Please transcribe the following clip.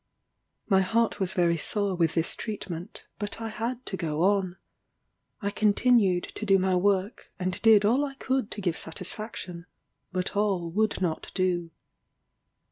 My heart was very sore with this treatment, but I had to go on. I continued to do my work, and did all I could to give satisfaction, but all would not do.